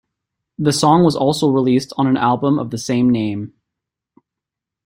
The song was also released on an album of the same name.